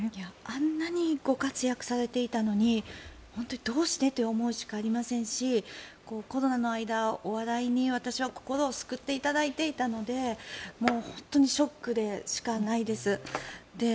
あんなにご活躍されていたのにどうして？という思いしかありませんしコロナの間、お笑いに私は心を救っていただいていたので本当にショックでしかないです。